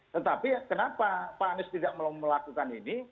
tetapi kenapa pak anies tidak mau melakukan ini